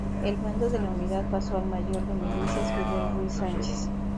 El mando de la unidad pasó al mayor de milicias Fidel Ruiz Sánchez.